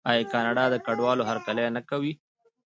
آیا کاناډا د کډوالو هرکلی نه کوي؟